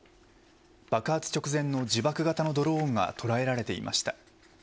爆発直前の自爆型のドローンがとらえられていました。